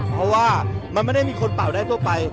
เพราะว่ามันไม่ได้มีคนเป่าได้ทั่วไป